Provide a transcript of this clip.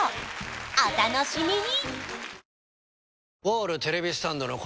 お楽しみに！